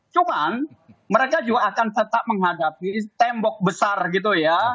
cuman mereka juga akan tetap menghadapi tembok besar gitu ya